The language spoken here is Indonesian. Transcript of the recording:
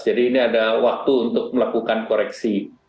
jadi ini ada waktu untuk melakukan koreksi